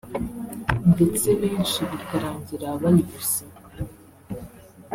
ndetse benshi bikarangira bayibuze